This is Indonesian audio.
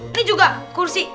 ini juga kursi